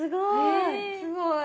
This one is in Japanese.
すごい。